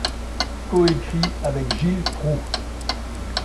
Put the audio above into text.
Coécrit avec Gil Prou.